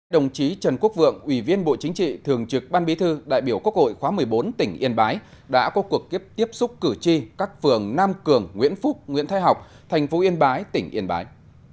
đồng chí trần quốc vượng ủy viên bộ chính trị thường trực ban bí thư đại biểu quốc hội khóa một mươi bốn tỉnh yên bái đã có cuộc tiếp xúc cử tri các phường nam cường nguyễn phúc nguyễn thái học thành phố yên bái tỉnh yên bái